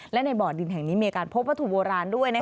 และในบ่อดินแห่งนี้มีการพบวัตถุโบราณด้วย